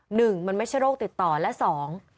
หนึ่งมันไม่ใช่โรคติดต่อและสอง